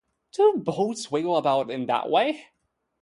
Do all boats wiggle about in that way?